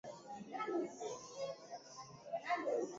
na kumla Kila niliposimama na kutayarisha sehemu ya